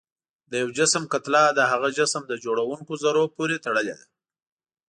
د یو جسم کتله د هغه جسم د جوړوونکو ذرو پورې تړلې ده.